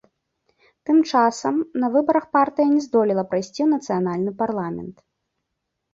Тым часам, на выбарах партыя не здолела прайсці ў нацыянальны парламент.